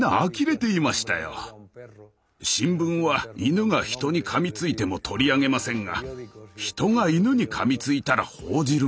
新聞は犬が人にかみついても取り上げませんが人が犬にかみついたら報じるものです。